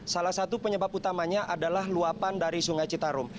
salah satu penyebab utamanya adalah luapan dari sungai citarum